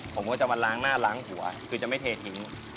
ผมก็จะมาล้างหน้าล้างหัวคือจะไม่เททิ้ง